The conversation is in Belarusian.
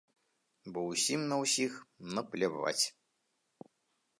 Бо усім на ўсіх напляваць.